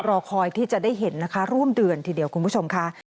รอคอยที่จะได้เห็นนะคะร่วมเดือนทีเดียวคุณผู้ชมค่ะ